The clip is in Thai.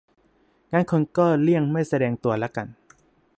งั้นคนก็เลี่ยงไม่แสดงตัวละกัน